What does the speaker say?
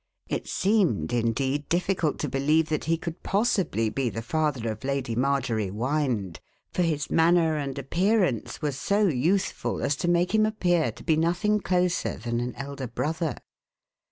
It seemed, indeed, difficult to believe that he could possibly be the father of Lady Marjorie Wynde, for his manner and appearance were so youthful as to make him appear to be nothing closer than an elder brother.